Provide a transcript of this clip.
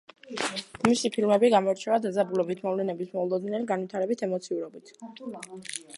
მისი ფილმები გამოირჩევა დაძაბულობით, მოვლენების მოულოდნელი განვითარებით, ემოციურობით.